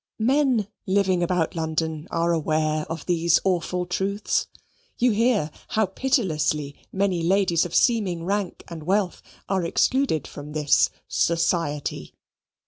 Men living about London are aware of these awful truths. You hear how pitilessly many ladies of seeming rank and wealth are excluded from this "society."